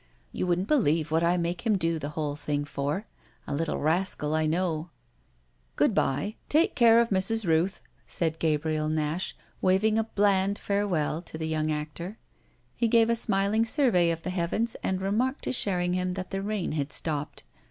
"You wouldn't believe what I make him do the whole thing for a little rascal I know." "Good bye; take good care of Mrs. Rooth," said Gabriel Nash, waving a bland farewell to the young actor. He gave a smiling survey of the heavens and remarked to Sherringham that the rain had stopped.